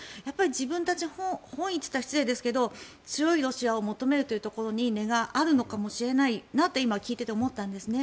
自分たち本位といったら失礼ですが強いロシアを求めるというところに根があるのかもしれないなと今、聞いてて思ったんですね。